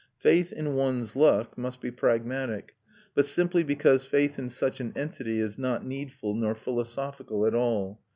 Faith in one's luck must be pragmatic, but simply because faith in such an entity is not needful nor philosophical at all.